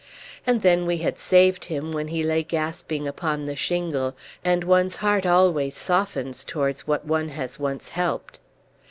And then we had saved him when he lay gasping upon the shingle, and one's heart always softens towards what one has once helped.